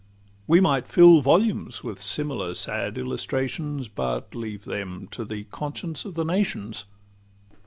We might fill Volumes with similar sad illustrations, But leave them to the conscience of the nations.